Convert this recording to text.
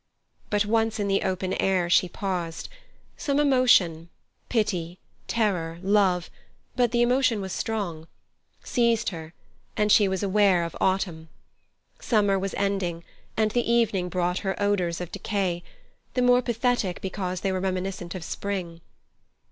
But, once in the open air, she paused. Some emotion—pity, terror, love, but the emotion was strong—seized her, and she was aware of autumn. Summer was ending, and the evening brought her odours of decay, the more pathetic because they were reminiscent of spring.